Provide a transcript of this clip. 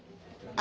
あ。